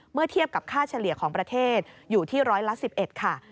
เมื่อเทียบกับค่าเฉลี่ยของประเทศอยู่ที่๑๑๑ค่ะ